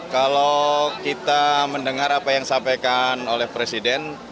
kalau kita mendengar apa yang disampaikan oleh presiden